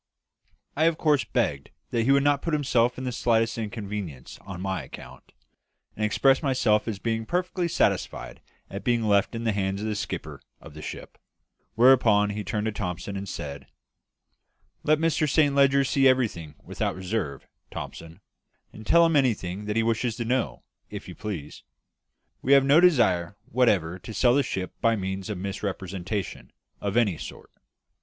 I of course begged that he would not put himself to the slightest inconvenience on my account, and expressed myself as being perfectly satisfied at being left in the hands of the skipper of the ship; whereupon he turned to Thomson and said "Let Mr Saint Leger see everything without reserve, Thomson; and tell him anything he wishes to know, if you please. We have no desire whatever to sell the ship by means of misrepresentation of any sort.